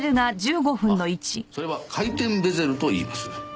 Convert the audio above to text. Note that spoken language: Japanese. ああそれは回転ベゼルといいます。